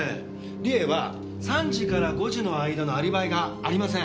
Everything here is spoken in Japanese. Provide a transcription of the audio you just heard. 理恵は３時から５時の間のアリバイがありません。